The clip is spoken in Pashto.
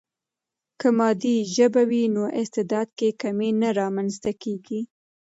که مادي ژبه وي، نو استعداد کې کمی نه رامنځته کیږي.